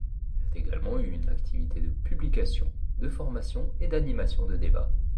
Elle a également eu une activité de publication, de formation et d'animation de débats.